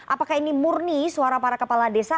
apakah ini murni suara para kepala desa